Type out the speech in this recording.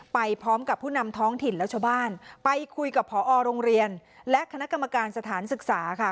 ไปพร้อมกับผู้นำท้องถิ่นและชาวบ้านไปคุยกับพอโรงเรียนและคณะกรรมการสถานศึกษาค่ะ